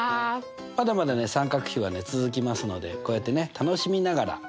まだまだね三角比はね続きますのでこうやってね楽しみながらやっていきましょうね。